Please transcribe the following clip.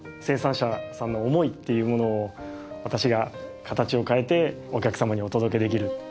生産者さんの思いっていうものを私が形を変えてお客様にお届けできる。